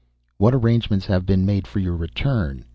"What arrangements have been made for your return?"